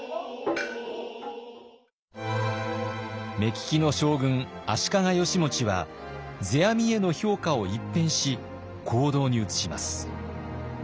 目利きの将軍足利義持は世阿弥への評価を一変し行動に移します。